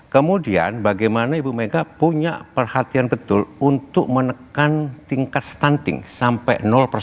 kemudian bagaimana ibu mega punya perhatian betul untuk menekan tingkat stunting sampai